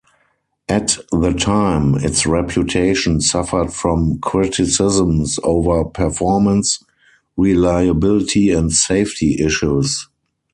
At the time, its reputation suffered from criticisms over performance, reliability and safety issues.